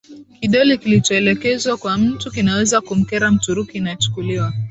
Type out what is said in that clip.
kidole kilichoelekezwa kwa mtu kinaweza kumkera Mturuki Inachukuliwa